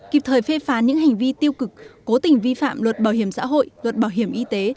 kịp thời phê phán những hành vi tiêu cực cố tình vi phạm luật bảo hiểm xã hội luật bảo hiểm y tế